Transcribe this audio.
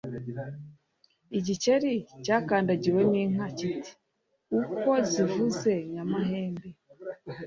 igikeri cyakandagiwe n'inka kiti uko zivuze nyamahembe